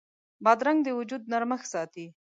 بادرنګ د وجود نرمښت ساتي.